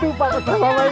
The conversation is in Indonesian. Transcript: lipat satu lagi koran